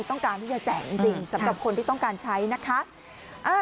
ต้องการที่จะแจกจริงสำหรับคนที่ต้องการใช้นะคะ